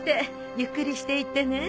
ゆっくりしていってね。